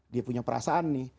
dia punya perasaan nih